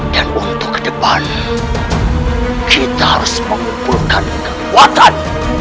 dan untuk ke depan kita harus mengumpulkan kekuatan